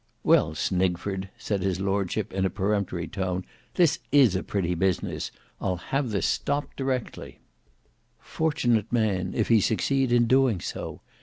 "Well, Snigford," said his lordship, in a peremptory tone, "this is a pretty business; I'll have this stopped directly." Fortunate man if he succeed in doing so!